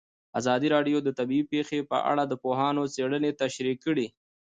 ازادي راډیو د طبیعي پېښې په اړه د پوهانو څېړنې تشریح کړې.